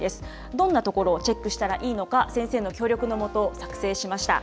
どんなところをチェックしたらいいのか、先生の協力のもと、作成しました。